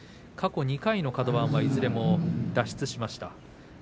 過去２回のカド番はいずれも脱出しました。